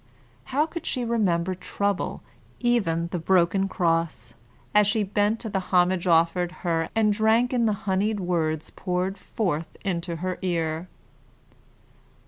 How could she remember trouble, even the broken cross, as she bent to the homage offered her and drank in the honeyed words poured forth into her ear?